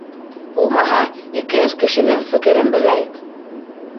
Булмаһа, ике-өс кешенең фекерен беләйек.